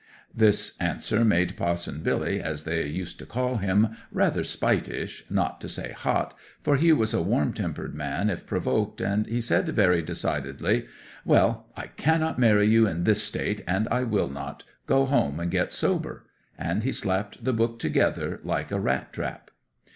'This answer made Pa'son Billy—as they used to call him—rather spitish, not to say hot, for he was a warm tempered man if provoked, and he said, very decidedly: "Well, I cannot marry you in this state; and I will not! Go home and get sober!" And he slapped the book together like a rat trap.